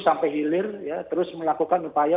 sampai hilir ya terus melakukan upaya